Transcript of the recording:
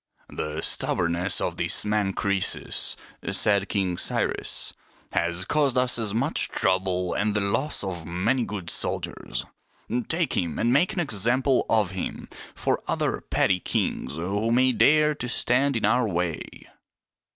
" The stubbornness of this man Crcesus," said King Cyrus, " has caused us much trouble and the loss of many good soldiers. Take him and make an example of him for other petty kings who may dare to stand in our way."